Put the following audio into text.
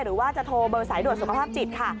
หรือว่าจะโทรเบอร์สายด่วนสุขภาพจิตค่ะ